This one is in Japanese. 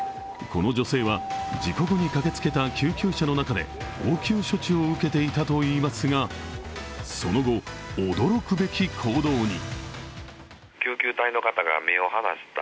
この女性は事故後に駆けつけた救急車の中で応急処置を受けていたといいますがその後、驚くべき行動に。